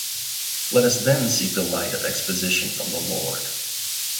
Let us then seek the light of exposition from the Lord.